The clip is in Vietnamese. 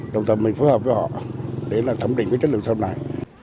đồng thời mình phối hợp với họ để là thẩm định cái chất lượng sau này